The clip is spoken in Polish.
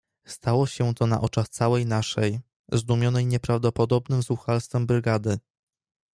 "Stało się to na oczach całej naszej, zdumionej nieprawdopodobnem zuchwalstwem brygady."